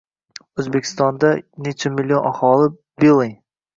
O’zbekistonda nechi million aholi Beeling